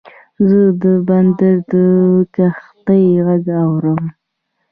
زه د بندر د کښتۍ غږ اورم.